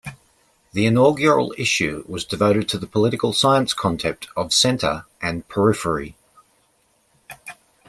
The inaugural issue was devoted to the political science concept of center and periphery.